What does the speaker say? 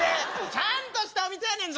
ちゃんとしたお店やねんぞ！